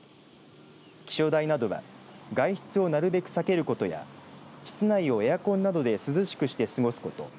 気象台などは外出をなるべく避けることや室内をエアコンなどで涼しくして過ごすこと。